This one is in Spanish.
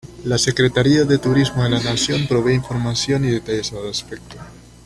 La Secretaría de Turismo de la Nación, provee información y detalles al respecto.